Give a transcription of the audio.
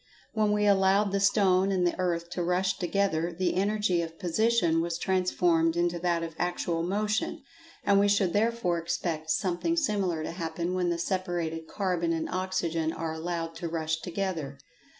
When we allowed the stone and the earth to rush together, the energy of position was transformed into that of actual motion, and we should therefore expect something similar to happen when the separated carbon and oxygen are allowed to rush together.